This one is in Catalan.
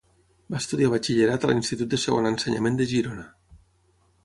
Va estudiar batxillerat a l'institut de Segon Ensenyament de Girona.